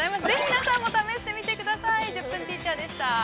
ぜひ、皆さんも試してみてください、「１０分ティーチャー」でした。